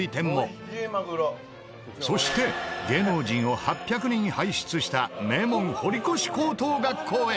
そして芸能人を８００人輩出した名門堀越高等学校へ